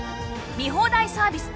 見放題サービス